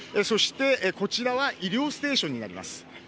そしてこちらは医療ステーションになります。